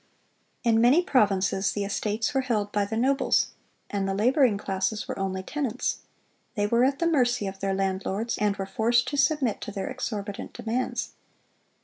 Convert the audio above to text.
In many provinces the estates were held by the nobles, and the laboring classes were only tenants; they were at the mercy of their landlords, and were forced to submit to their exorbitant demands.